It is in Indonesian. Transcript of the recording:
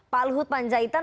pak luhut panjaitan